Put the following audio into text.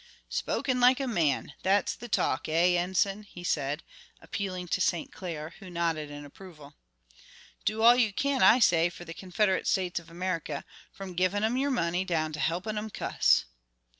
"Spoken like a man. That's the talk, eh, Enson?" he said, appealing to St. Clair, who nodded in approval. "Do all you can, I say, for the Confederate States of America, from givin' 'em yer money down to helpin' 'em cuss."